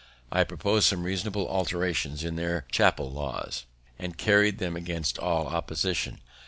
I propos'd some reasonable alterations in their chappel laws, and carried them against all opposition.